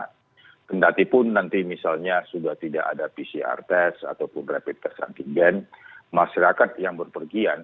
kendatipun nanti misalnya sudah tidak ada pcr test ataupun rapid test antigen masyarakat yang berpergian